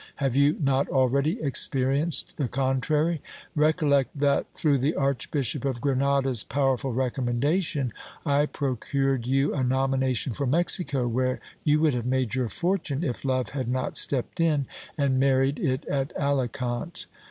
Have you not already experienced the contrary ? Recollect that, through the archbishop of Grenada's powerful recommendation, I procured you a nomination for Mexico, where you would have made your fortune, if love had not stepped in and mar red it at Alicant.